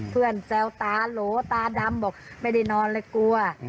แซวตาโหลตาดำบอกไม่ได้นอนเลยกลัว